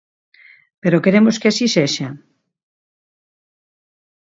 Pero queremos que así sexa?